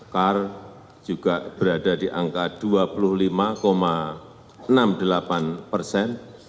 kar juga berada di angka dua puluh lima enam puluh delapan persen